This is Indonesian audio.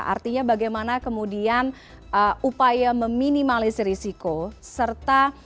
artinya bagaimana kemudian upaya meminimalisir risiko serta